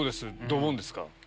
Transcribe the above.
ドボンですか？